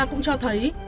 cũng cho thấy